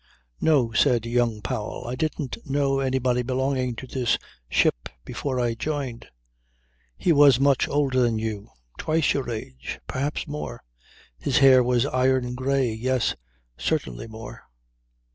"No," said young Powell, "I didn't know anybody belonging to this ship before I joined." "He was much older than you. Twice your age. Perhaps more. His hair was iron grey. Yes. Certainly more."